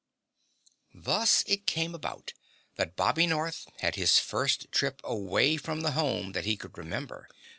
Thus it came about that Bobby North had his first trip away from the Home that he could remember.